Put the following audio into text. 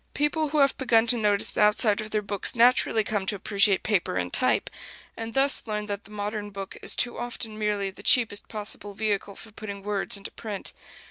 People who have begun to notice the outside of their books naturally come to appreciate paper and type; and thus learn that the modern book is too often merely the cheapest possible vehicle for putting words into print.